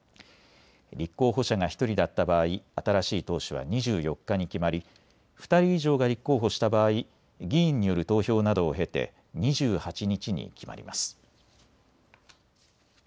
立候補者が１人だった場合、新しい党首は２４日に決まり２人以上が立候補した場合、議員による投票などを経て２８日に決まります。